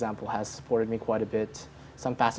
amerika serikat telah mendukung saya dengan cukup banyak